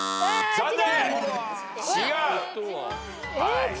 残念！